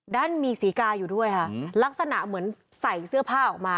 ด้านมีศรีกาอยู่ด้วยค่ะลักษณะเหมือนใส่เสื้อผ้าออกมา